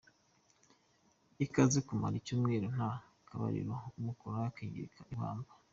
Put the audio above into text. Ibaze kumara icyumweru nta kabariro, umukoraho akigira ibamba.